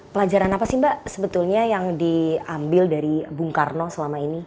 pelajaran apa sih mbak sebetulnya yang diambil dari bung karno selama ini